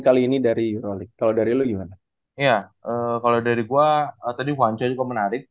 kali ini dari euroleague kalau dari lu gimana iya kalau dari gua tadi juwancow juga menarik